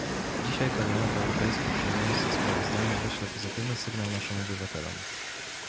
Dzisiaj Parlament Europejski przyjmując to sprawozdanie wyśle pozytywny sygnał naszym obywatelom